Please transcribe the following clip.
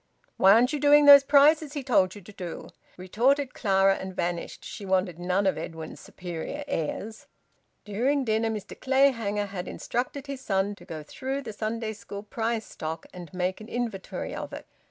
"Why aren't you doing those prizes he told you to do?" retorted Clara, and vanished, She wanted none of Edwin's superior airs. During dinner Mr Clayhanger had instructed his son to go through the Sunday school prize stock and make an in_ven_tory of it.